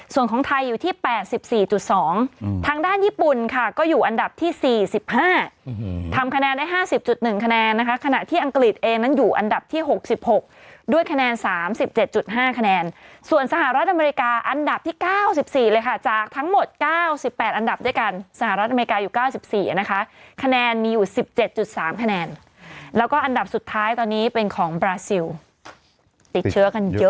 ส่วนของไทยอยู่ที่๘๔๒ทางด้านญี่ปุ่นค่ะก็อยู่อันดับที่๔๕ทำคะแนนได้๕๐๑คะแนนนะคะขณะที่อังกฤษเองนั้นอยู่อันดับที่๖๖ด้วยคะแนน๓๗๕คะแนนส่วนสหรัฐอเมริกาอันดับที่๙๔เลยค่ะจากทั้งหมด๙๘อันดับด้วยกันสหรัฐอเมริกาอยู่๙๔นะคะคะแนนมีอยู่๑๗๓คะแนนแล้วก็อันดับสุดท้ายตอนนี้เป็นของบราซิลติดเชื้อกันเยอะ